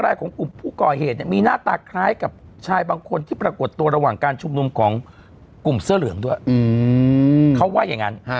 ของกลุ่มผู้ก่อเหตุเนี่ยมีหน้าตาคล้ายกับชายบางคนที่ปรากฏตัวระหว่างการชุมนุมของกลุ่มเสื้อเหลืองด้วยเขาว่าอย่างนั้น